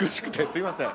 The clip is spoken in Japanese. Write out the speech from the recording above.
すいません。